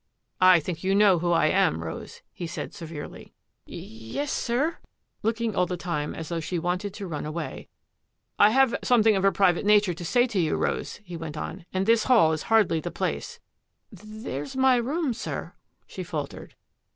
" I think you know who I am. Rose," he said se verely. THE MISSING LADY'S MAID 817 " Y — ^yes, sir," looking all the time as though she wanted to run away. " I have something of a private nature to say to you, Rose," he went on, " and this hall is hardly the place —"" There's my room, sir," she faltered.